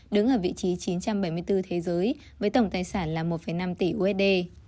đứng ở vị trí chín trăm bảy mươi bốn thế giới với tổng tài sản là một năm tỷ usd